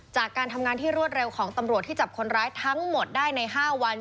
จากการทำงานที่รวดเร็วของตำรวจที่จับคนร้ายทั้งหมดได้ใน๕วัน